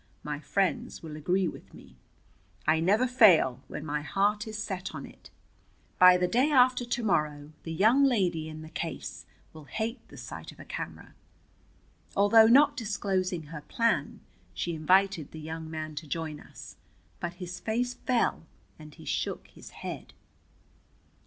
My friends will agree with me. I never fail, when my heart is set on it. By the day after to morrow the young lady in the case will hate the sight of a camera." Although not disclosing her plan, she invited the young man to join us. But his face fell and he shook his head.